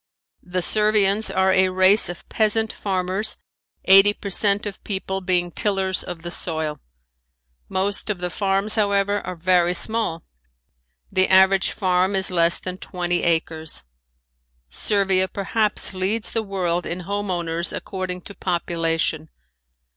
The Servians are a race of peasant farmers, eighty per cent of the people being tillers of the soil. Most of the farms, however, are very small. The average farm is less than twenty acres. Servia perhaps leads the world in home owners according to population.